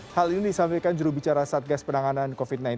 hal ini disampaikan jurubicara satgas penanganan covid sembilan belas